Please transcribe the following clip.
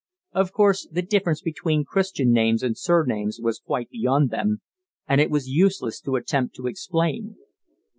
Of course the difference between Christian names and surnames was quite beyond them, and it was useless to attempt to explain.